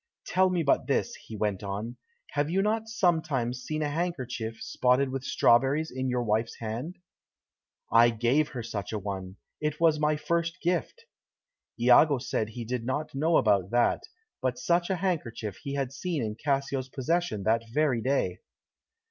"Tell me but this," he went on: "have you not sometimes seen a handkerchief, spotted with strawberries, in your wife's hand?" "I gave her such a one; it was my first gift." Iago said he did not know about that, but such a handkerchief he had seen in Cassio's possession that very day.